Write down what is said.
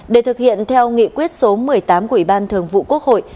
để thực hiện theo nghị quyết số một mươi tám của ủy ban thường vụ quốc hội